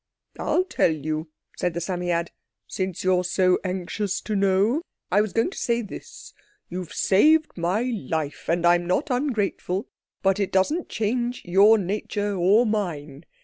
"I'll tell you," said the Psammead, "since you're so anxious to know. I was going to say this. You've saved my life—and I'm not ungrateful—but it doesn't change your nature or mine.